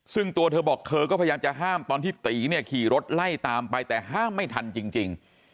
ซึ่งตัวเธอบอกเธอก็พยายามจะห้ามตอนที่ตีเนี่ยขี่รถไล่ตามไปแต่ห้ามไม่ทันจริง